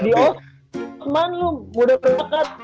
di osman lu mudah kelekat